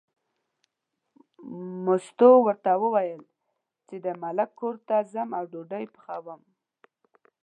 مستو ورته وویل چې د ملک کور ته ځم او ډوډۍ پخوم.